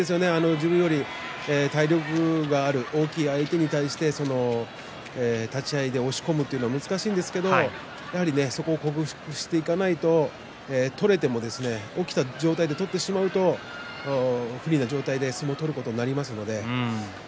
自分より体で力のある大きい相手に対して立ち合いで押し込むというのは難しいんですけれどもやはりそこを克服していかないと取れても起きた状態で取ってしまうと不利な状態で相撲を取ることになってしまいます。